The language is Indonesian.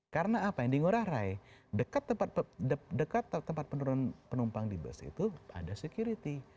karena apa yang di ngurah rai dekat tempat penumpang di bus itu ada sekuriti